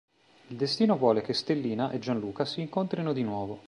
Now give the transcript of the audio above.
Il destino vuole che Stellina e Gianluca si incontrino di nuovo.